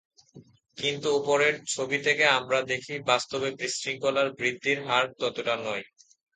কিন্তু ওপরের ছবি থেকেই আমরা দেখি বাস্তবে বিশৃঙ্খলার বৃদ্ধির হার ততটা নয়।